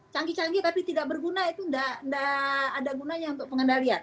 canggih canggih tapi tidak berguna itu tidak ada gunanya untuk pengendalian